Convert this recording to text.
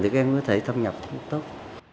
thì các em có thể thâm nhập tốt